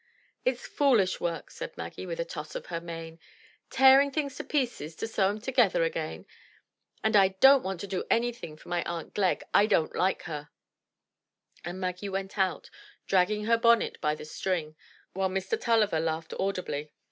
"It's foolish work," said Maggie with a toss of her mane — "tearing things to pieces to sew 'em together again. And I don't, want to do anything for my aunt Glegg. I don't like her." And Maggie went out, dragging her bonnet by the string, while Mr. Tulliver laughed audibly.